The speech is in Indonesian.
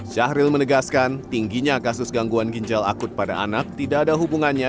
syahril menegaskan tingginya kasus gangguan ginjal akut pada anak tidak ada hubungannya